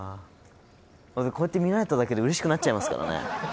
まずこうやって見られただけで嬉しくなっちゃいますからね